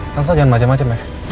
tansel jangan macem macem ya